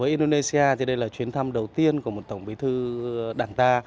với indonesia thì đây là chuyến thăm đầu tiên của một tổng bí thư đảng ta